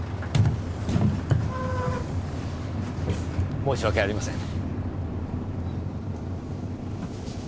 申し訳ありません。